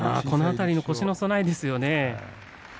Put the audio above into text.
この辺りの腰の備えですよね。